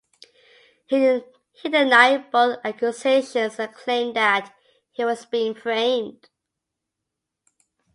He denied both the accusations and claimed that he was being framed.